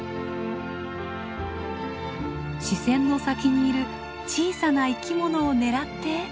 視線の先にいる小さな生きものを狙って。